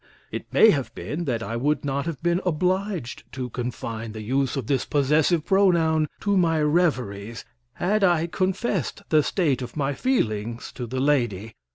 It may have been that I would not have been obliged to confine the use of this possessive pronoun to my reveries had I confessed the state of my feelings to the lady.